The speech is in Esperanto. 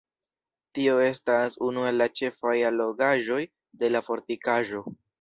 Tio estas unu el la ĉefaj allogaĵoj de la fortikaĵo.